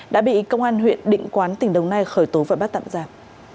đã bị công an huyện định quán tỉnh đồng nai khởi tố và bắt tạm giam